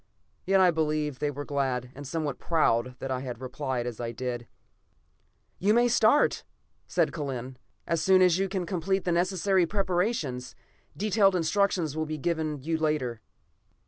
Yet I believe they were glad and somewhat proud that I had replied as I did. "You may start," said Kellen, "as soon as you can complete the necessary preparations. Detailed instructions will be given you later."